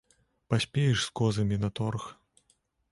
Паспееш з козамі на торг.